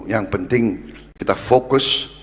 yang penting kita fokus